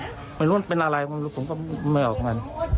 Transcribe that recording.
พ่อความฝันก็ฉุดขึ้นมาจากไอ้ไม่รู้ว่าเป็นอะไรผมก็ไม่เอาขึ้นมา